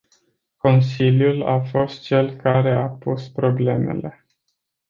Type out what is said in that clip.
Consiliul a fost cel care a pus problemele.